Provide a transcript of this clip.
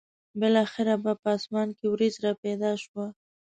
بالاخره به په اسمان کې ورېځ را پیدا شوه.